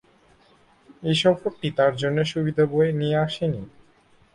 এ সফরটি তার জন্যে সুবিধে বয়ে নিয়ে আসেনি।